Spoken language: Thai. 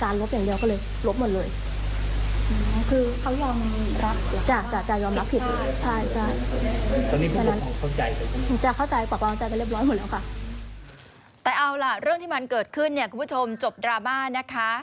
รีบเอาการบ้านที่ตรวจส่งให้เด็กต่อ